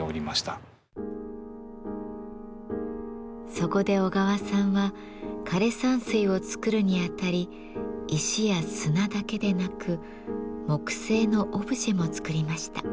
そこで小川さんは枯山水を作るにあたり石や砂だけでなく木製のオブジェも作りました。